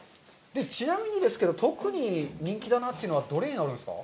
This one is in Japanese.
ちなみにですけど、特に人気だなというのはどれになるんですか。